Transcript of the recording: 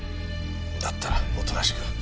だったらおとなしく。